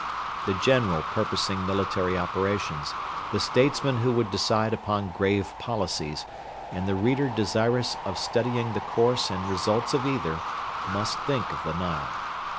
The general purposing military operations, the statesman who would decide upon grave policies, and the reader desirous of studying the course and results of either, must think of the Nile.